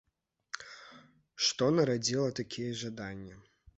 Што нарадзіла такія жаданні?